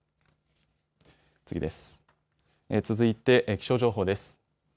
続いて気象情報です。